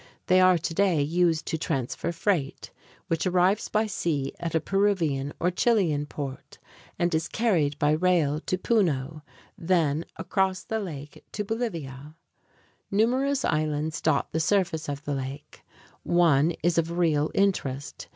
They are today used to transfer freight, which arrives by sea at a Peruvian or Chilean port, and is carried by rail to Puno, then across the lake to Bolivia. [Illustration: ON THE STATE ROAD FROM POTOSÍ TO SUCRE] Numerous islands dot the surface of the lake. One is of real interest.